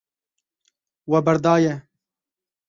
We berdaye.